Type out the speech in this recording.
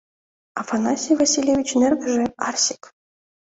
Афанасий Васильевичын эргыже — Арсик.